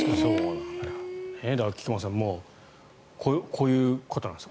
だから、菊間さんこういうことなんです。